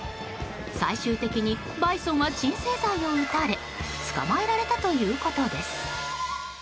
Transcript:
最終的にバイソンは鎮静剤を打たれ捕まえられたということです。